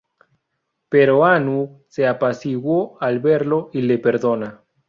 Pero Anu se apaciguó al verlo y le perdonó.